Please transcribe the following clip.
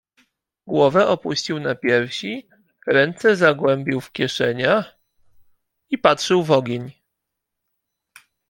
"Głowę opuścił na piersi, ręce zagłębił w kieszeniach i patrzył w ogień."